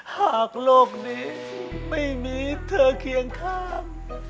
โลกนี้ไม่มีเธอเคียงข้าง